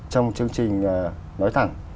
trong chương trình nói thẳng